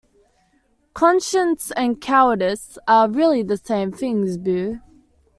Conscience and cowardice are really the same things, Beau.